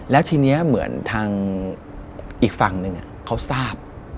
แล้วทีนี้เหมือนทางอีกฝั่งหนึ่งเขาทราบ